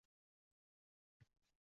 Bir oy qorinni tikib qoʻymaymiz-ku